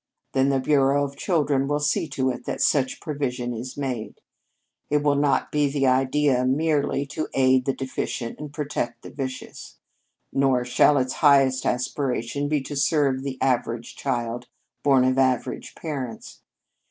Then the Bureau of Children will see to it that such provision is made. It will not be the idea merely to aid the deficient and protect the vicious. Nor shall its highest aspiration be to serve the average child, born of average parents.